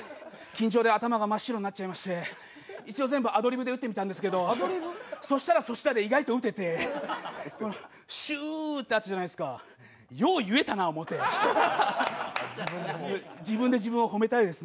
緊張で頭が真っ白になっちゃいまして一応全部、アドリブで打ってみたんですけどそしたらそしたで意外と打ててシューってやったじゃないですかよう言うたなと思って自分で自分を褒めたいです。